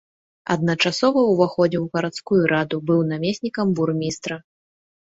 Адначасова ўваходзіў у гарадскую раду, быў намеснікам бурмістра.